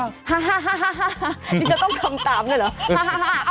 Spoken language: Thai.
หาจะต้องทำตามด้วยเหรอ